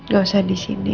gak usah disini